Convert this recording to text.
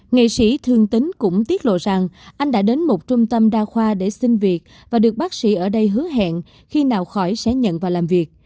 nghệ sĩ thương tính cũng tiết lộ rằng anh đã đến một trung tâm đa khoa để xin việc và được bác sĩ ở đây hứa hẹn khi nào khỏi sẽ nhận vào làm việc